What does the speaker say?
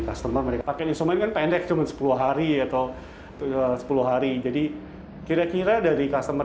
customer mereka pakai instrumen kan pendek cuman sepuluh hari atau sepuluh hari jadi kira kira dari customer